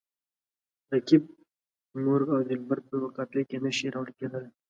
رقیب، مرغ او دلبر په یوه قافیه کې نه شي راوړل کیدلای.